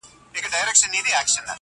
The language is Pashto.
نور مي له ورځي څـخــه بـــد راځـــــــي.